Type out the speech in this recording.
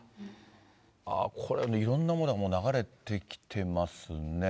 これ、いろんなものが、もう流れてきてますね。